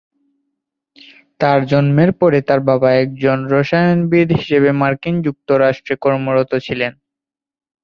তার জন্মের পরে তার বাবা একজন রসায়নবিদ হিসেবে মার্কিন যুক্তরাষ্ট্রে কর্মরত ছিলেন।